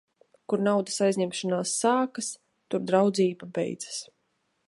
Kur naudas aizņemšanās sākas, tur draudzība beidzas.